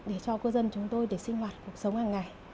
để cho cư dân chúng tôi để sinh hoạt cuộc sống hàng ngày